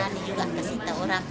tidak berani juga kasih tahu orang